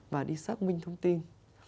và đi xác minh thông tin